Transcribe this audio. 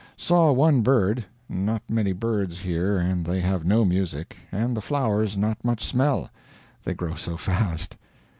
Saw one bird. Not many birds here, and they have no music and the flowers not much smell, they grow so fast.